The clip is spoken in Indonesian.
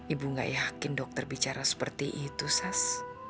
ibu gak yakin dokter bicara seperti itu sas